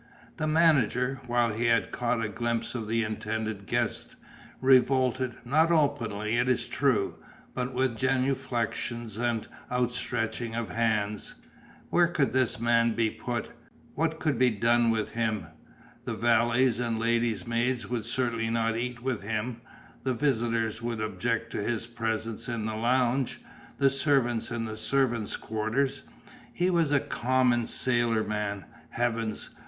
The manager, when he had caught a glimpse of the intended guest, revolted; not openly, it is true, but with genuflexions and outstretching of hands. Where could this man be put, what could be done with him? The valets and ladies' maids would certainly not eat with him, the visitors would object to his presence in the lounge, the servants in the servants' quarters. He was a common sailor man. Heavens!